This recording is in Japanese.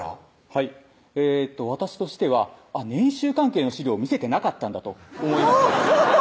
はい私としては年収関係の資料見せてなかったんだと思いましてそこ？